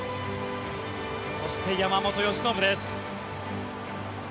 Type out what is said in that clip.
そして、山本由伸です。